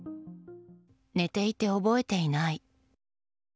寝ていて覚えていない。